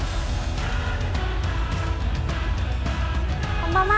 こんばんは。